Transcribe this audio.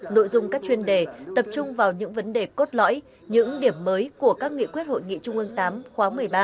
nội dung các chuyên đề tập trung vào những vấn đề cốt lõi những điểm mới của các nghị quyết hội nghị trung ương viii khóa một mươi ba